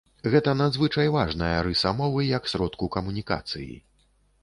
Гэта надзвычай важная рыса мовы як сродку камунікацыі.